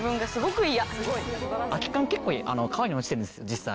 空き缶結構川に落ちてるんです実際。